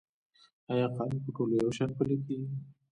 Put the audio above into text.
آیا قانون په ټولو یو شان پلی کیږي؟